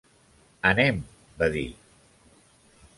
"Anem", va dir.